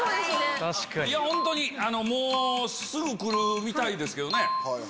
本当にもうすぐ来るみたいですけどね。